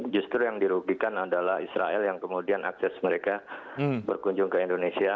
justru yang dirugikan adalah israel yang kemudian akses mereka berkunjung ke indonesia